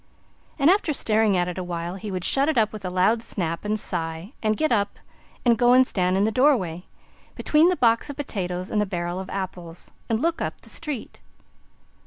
And after staring at it awhile, he would shut it up with a loud snap, and sigh and get up and go and stand in the door way between the box of potatoes and the barrel of apples and look up the street.